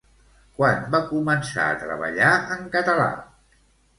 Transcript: Quan va començar a treballar en català?